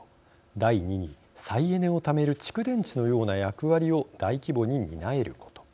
第二に再エネをためる蓄電地のような役割を大規模に担えること。